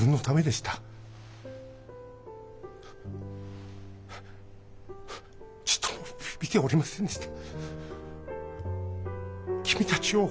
君たちをちっとも見ておりませんでした。